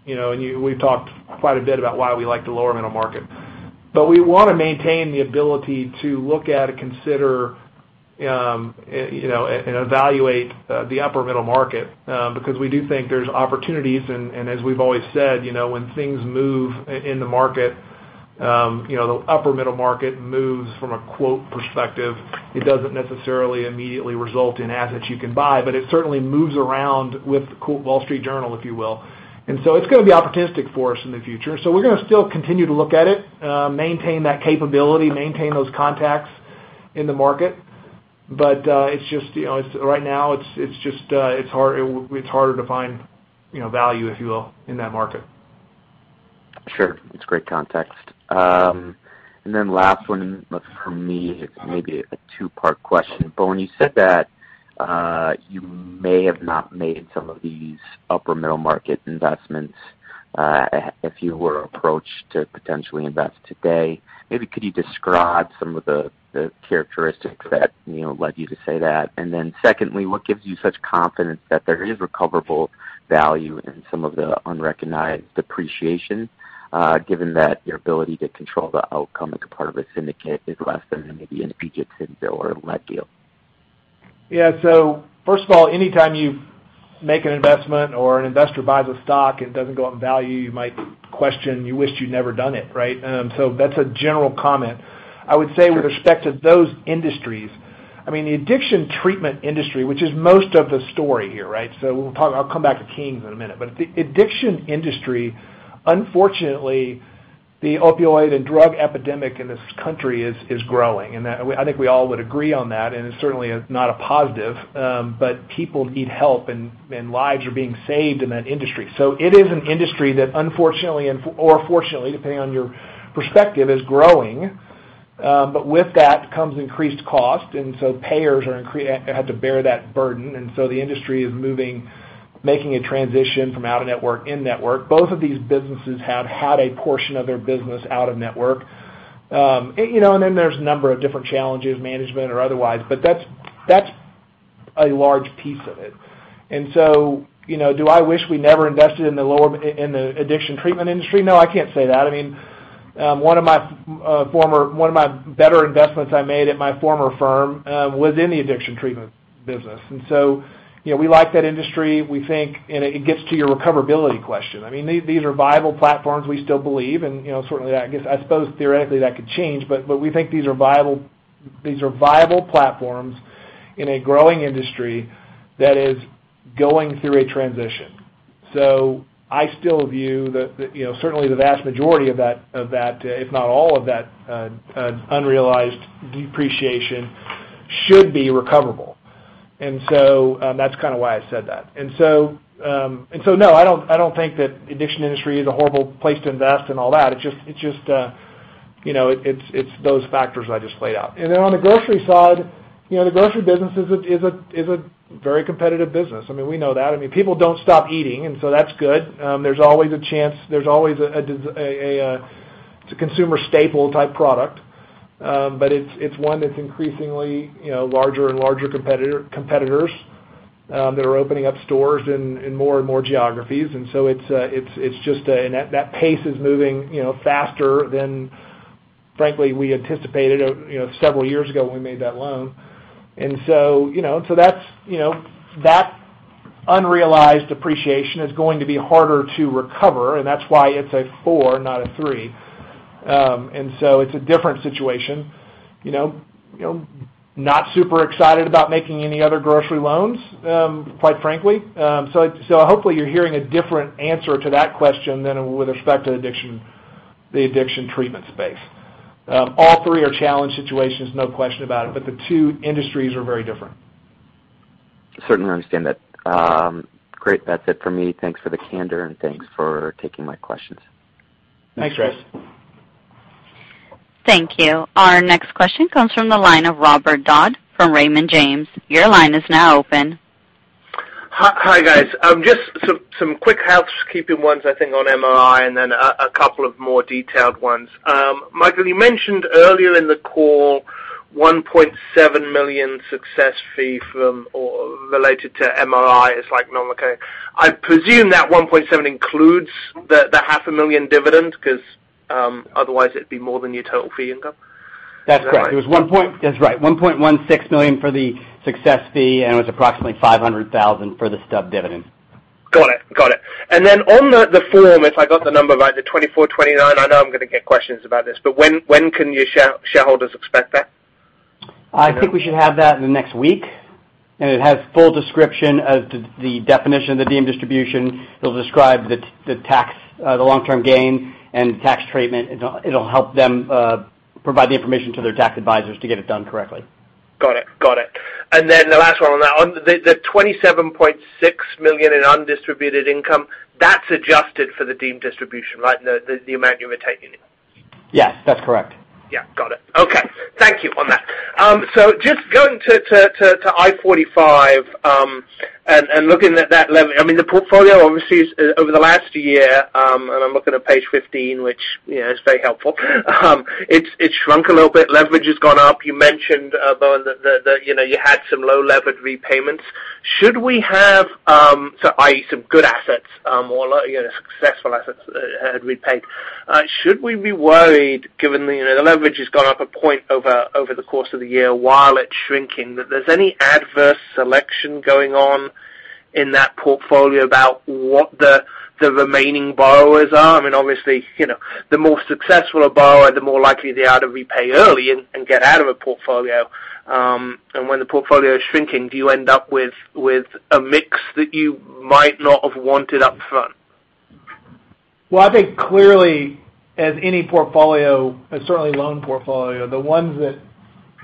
We've talked quite a bit about why we like the lower middle market. We want to maintain the ability to look at and consider and evaluate the upper middle market, because we do think there's opportunities, and as we've always said, when things move in the market, the upper middle market moves from a quote perspective. It doesn't necessarily immediately result in assets you can buy, but it certainly moves around with The Wall Street Journal, if you will. It's going to be opportunistic for us in the future. We're going to still continue to look at it, maintain that capability, maintain those contacts in the market. Right now it's harder to find value, if you will, in that market. Sure. It's great context. Last one from me, it's maybe a two-part question. Bowen, you said that you may have not made some of these upper middle market investments if you were approached to potentially invest today. Could you describe some of the characteristics that led you to say that? Secondly, what gives you such confidence that there is recoverable value in some of the unrecognized depreciation, given that your ability to control the outcome as a part of a syndicate is less than maybe an 1PG Syndicate deal or a led deal? First of all, anytime you make an investment or an investor buys a stock and it doesn't go up in value, you might question, you wish you'd never done it, right? That's a general comment. I would say with respect to those industries. The addiction treatment industry, which is most of the story here. I'll come back to Kings in a minute. The addiction industry, unfortunately, the opioid and drug epidemic in this country is growing, and I think we all would agree on that, and it certainly is not a positive. People need help and lives are being saved in that industry. It is an industry that unfortunately, or fortunately, depending on your perspective, is growing. With that comes increased cost, and so payers have to bear that burden. The industry is making a transition from out-of-network, in-network. Both of these businesses have had a portion of their business out-of-network. There's a number of different challenges, management or otherwise. That's a large piece of it. Do I wish we never invested in the addiction treatment industry? No, I can't say that. One of my better investments I made at my former firm was in the addiction treatment business. We like that industry. It gets to your recoverability question. These are viable platforms we still believe, certainly I suppose theoretically that could change, we think these are viable platforms in a growing industry that is going through a transition. I still view, certainly the vast majority of that, if not all of that, unrealized depreciation should be recoverable. That's why I said that. No, I don't think that addiction industry is a horrible place to invest and all that. It's those factors I just laid out. On the grocery side, the grocery business is a very competitive business. We know that. People don't stop eating, and so that's good. It's a consumer staple type product. It's one that's increasingly larger and larger competitors that are opening up stores in more and more geographies. That pace is moving faster than, frankly, we anticipated several years ago when we made that loan. That unrealized appreciation is going to be harder to recover, and that's why it's a 4, not a 3. It's a different situation. Not super excited about making any other grocery loans, quite frankly. Hopefully you're hearing a different answer to that question than with respect to the addiction treatment space. All three are challenged situations, no question about it, but the two industries are very different. Certainly understand that. Great. That's it for me. Thanks for the candor, and thanks for taking my questions. Thanks, Chris. Thank you. Our next question comes from the line of Robert Dodd from Raymond James. Your line is now open. Hi, guys. Just some quick housekeeping ones, I think, on MRI and then a couple of more detailed ones. Michael, you mentioned earlier in the call, $1.7 million success fee from or related to MRI is like normal. I presume that $1.7 million includes the half a million dividend because otherwise it'd be more than your total fee income. That's correct. It was $1.16 million for the success fee, and it was approximately $500,000 for the stub dividend. Got it. On the form, if I got the number right, the Form 2439, I know I'm going to get questions about this, but when can your shareholders expect that? I think we should have that in the next week. It has full description of the definition of the deemed distribution. It'll describe the long-term gain and tax treatment. It'll help them provide the information to their tax advisors to get it done correctly. Got it. The last one on that. The $27.6 million in undistributed income, that's adjusted for the deemed distribution, right? The amount you were taking in. Yes, that's correct. Yeah. Got it. Okay. Thank you on that. Just going to I-45, and looking at that level. The portfolio, obviously, over the last year, and I'm looking at page 15, which is very helpful. It's shrunk a little bit. Leverage has gone up. You mentioned about that you had some low-levered repayments. i.e., some good assets or successful assets had repaid. Should we be worried given the leverage has gone up a point over the course of the year while it's shrinking, that there's any adverse selection going on in that portfolio about what the remaining borrowers are? Obviously, the more successful a borrower, the more likely they are to repay early and get out of a portfolio. When the portfolio is shrinking, do you end up with a mix that you might not have wanted up front? I think clearly as any portfolio, and certainly loan portfolio, the ones that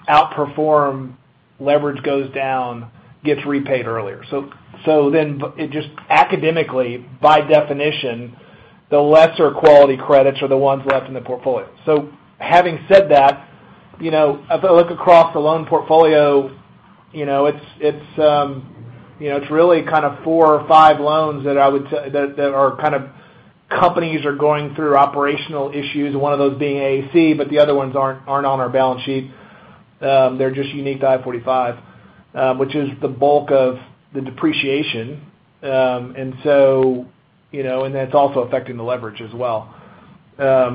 outperform leverage goes down, gets repaid earlier. It just academically, by definition, the lesser quality credits are the ones left in the portfolio. Having said that, if I look across the loan portfolio, it's really kind of four or five loans that are kind of companies are going through operational issues, one of those being AAC, but the other ones aren't on our balance sheet. They're just unique to I-45, which is the bulk of the depreciation. That's also affecting the leverage as well. I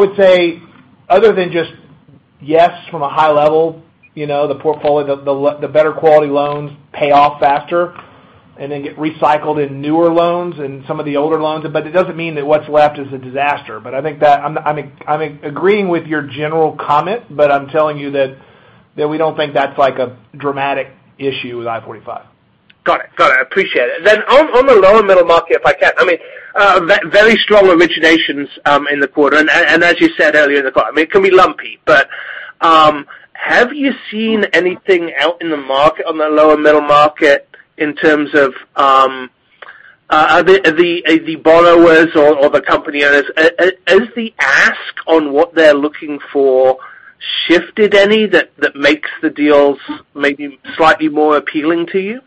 would say other than just, yes, from a high level, the better quality loans pay off faster and then get recycled in newer loans and some of the older loans. It doesn't mean that what's left is a disaster. I'm agreeing with your general comment, but I'm telling you that we don't think that's like a dramatic issue with I-45. Got it. I appreciate it. On the lower middle market, if I can. Very strong originations in the quarter. As you said earlier in the call, it can be lumpy, but have you seen anything out in the market on the lower middle market in terms of the borrowers or the company owners, has the ask on what they're looking for shifted any that makes the deals maybe slightly more appealing to you?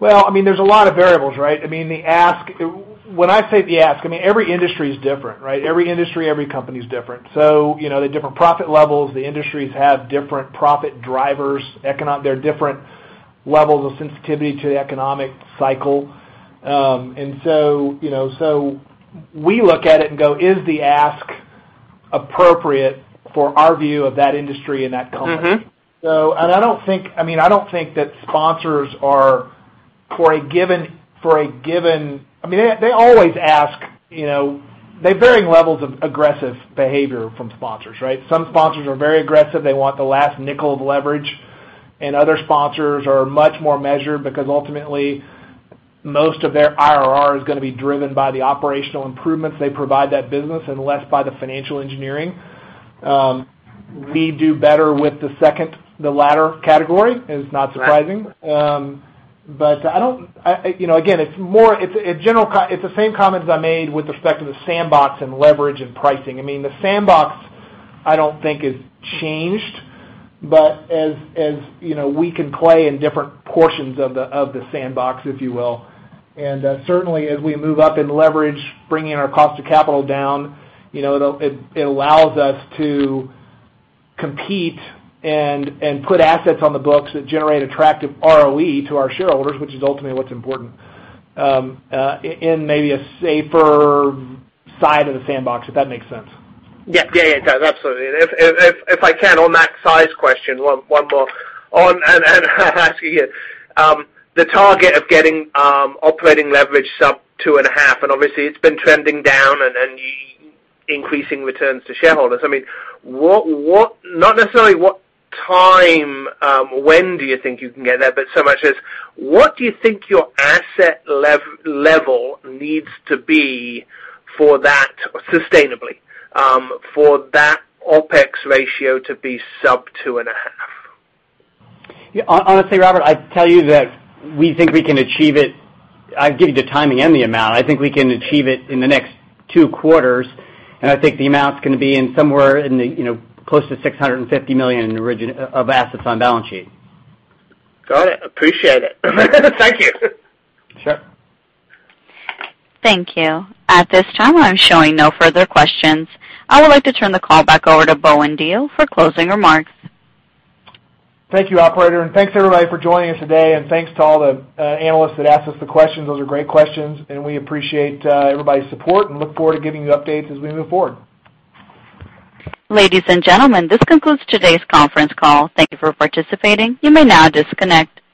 Well, there's a lot of variables, right? When I say the ask, every industry is different, right? Every industry, every company is different. The different profit levels, the industries have different profit drivers. There are different levels of sensitivity to the economic cycle. We look at it and go, is the ask appropriate for our view of that industry and that company? I don't think that they always ask, they have varying levels of aggressive behavior from sponsors, right? Some sponsors are very aggressive. They want the last nickel of leverage, and other sponsors are much more measured because ultimately, most of their IRR is going to be driven by the operational improvements they provide that business and less by the financial engineering. We do better with the second, the latter category. It's not surprising. Right. Again, it's the same comments I made with respect to the sandbox and leverage and pricing. The sandbox, I don't think has changed, but as we can play in different portions of the sandbox, if you will. Certainly as we move up in leverage, bringing our cost of capital down, it allows us to compete and put assets on the books that generate attractive ROE to our shareholders, which is ultimately what's important in maybe a safer side of the sandbox, if that makes sense. It does, absolutely. If I can, on that size question, one more on asking you. The target of getting operating leverage sub-2.5%, obviously it's been trending down and increasing returns to shareholders, not necessarily what time, when do you think you can get there, but so much as what do you think your asset level needs to be sustainably for that OPEX ratio to be sub-2.5%? Honestly, Robert, I tell you that we think we can achieve it. I'll give you the timing and the amount. I think we can achieve it in the next two quarters, and I think the amount's going to be in somewhere close to $650 million of assets on balance sheet. Got it. Appreciate it. Thank you. Sure. Thank you. At this time, I'm showing no further questions. I would like to turn the call back over to Bowen Diehl for closing remarks. Thank you, operator, and thanks everybody for joining us today. Thanks to all the analysts that asked us the questions. Those are great questions, and we appreciate everybody's support and look forward to giving you updates as we move forward. Ladies and gentlemen, this concludes today's conference call. Thank you for participating. You may now disconnect.